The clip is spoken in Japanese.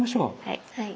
はい。